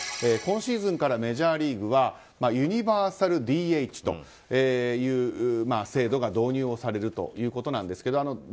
今シーズンからメジャーリーグはユニバーサルＤＨという制度が導入されるということです。